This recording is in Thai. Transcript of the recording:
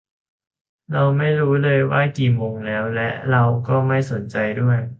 เราไม่รู้เลยว่ากี่โมงแล้ว และเราก็ไม่สนใจด้วย